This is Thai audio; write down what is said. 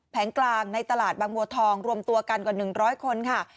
กลางในตลาดบางบัวทองรวมตัวกันกว่า๑๐๐คนค่ะ